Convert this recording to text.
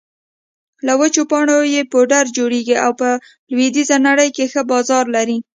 له وچو پاڼو يې پوډر جوړېږي او په لویدېزه نړۍ کې ښه بازار لري